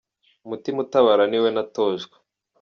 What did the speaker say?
Umutima utabara niwe natojwe.